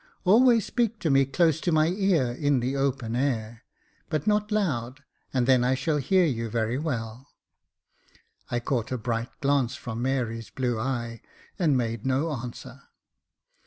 Always speak to me close to my ear in the open air, but not loud, and then I shall hear you very well." I caught a bright glance from Mary's blue eye, and made no answer.